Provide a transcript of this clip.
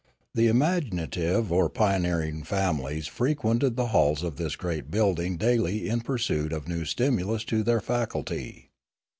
The imaginative or pioneering families fre quented the halls of this great building daily in pursuit of new stimulus to their faculty.